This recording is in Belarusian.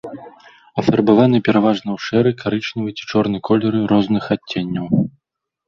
Афарбаваны пераважна ў шэры, карычневы ці чорны колеры розных адценняў.